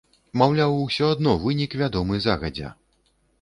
Маўляў, усё адно вынік вядомы загадзя.